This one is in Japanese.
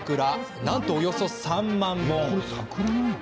なんと、およそ３万本。